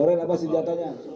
lauren apa senjatanya